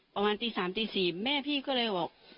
ประมาณตี๓ตี๔แม่พี่ก็เลยบอก